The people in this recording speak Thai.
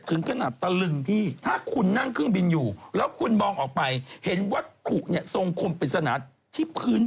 กินอะไรโอ๊ยคุณเอากุ้ยไช่ผสมอะไรมาให้เขากิน